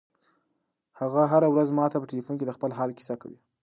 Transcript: هغه هره ورځ ماته په ټیلیفون کې د خپل حال کیسه کوي.